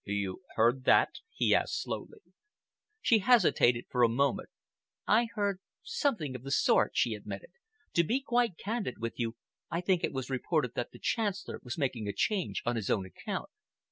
"You heard that?" he asked slowly. She hesitated for a moment. "I heard something of the sort," she admitted. "To be quite candid with you, I think it was reported that the Chancellor was making a change on his own account."